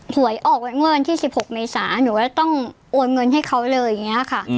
หวยออกไว้เมื่อวันที่๑๖เมษาหนูก็ต้องโอนเงินให้เขาเลยอย่างนี้ค่ะ